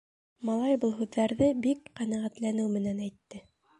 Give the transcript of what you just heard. Малай был һүҙҙәрҙе бик ҡәнәғәтләнеү менән әйтте.